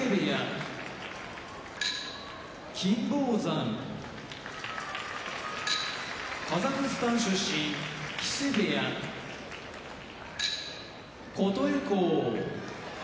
金峰山カザフスタン出身木瀬部屋琴恵光